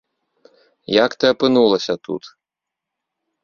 Як ты апынулася тут?